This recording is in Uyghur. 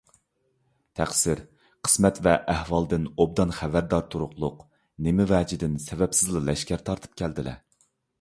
تەقسىر، قىسمەت ۋە ئەھۋالدىن ئوبدان خەۋەردار تۇرۇقلۇق، نېمە ۋەجىدىن سەۋەبسىزلا لەشكەر تارتىپ كەلدىلە؟